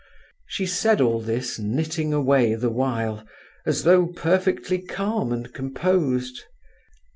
She said all this, knitting away the while as though perfectly calm and composed.